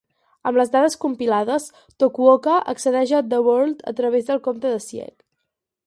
Amb les dades compilades, Tokuoka accedeix a The World a través del compte de Sieg.